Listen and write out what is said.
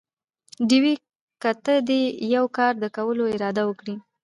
ډېوې!! که ته دې يوه کار د کولو اراده وکړي؟